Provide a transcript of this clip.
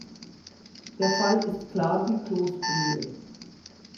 Der Fall ist klar wie Kloßbrühe.